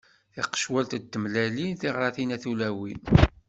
Taqecwalt n tmellalin, tiɣratin a tulawin.